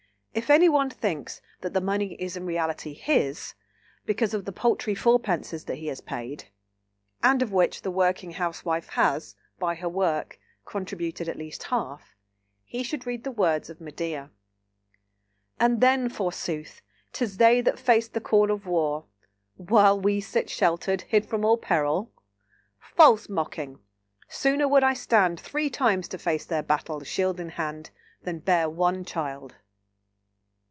If anyone thinks that the money is in reality his, because of the paltry fourpences that he has paid (and of which the working housewife has, by her work, contributed at least half), he should read the words of Medea— "And then, forsooth, 'tis they that face the call Of war, while we sit sheltered, hid from all Peril!—False mocking! Sooner would I stand Three times to face their battles, shield in hand, Than bear one child."